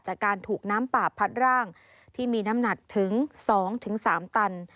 จากการถูกน้ำป่าพัดร่างที่มีน้ำหนักถึง๒๓ตัน